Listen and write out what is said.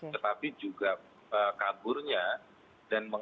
tetapi juga kaburnya dan menghilangnya hingga sekarang